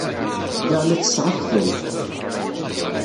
Lliɣ la ttesseɣ akeffay.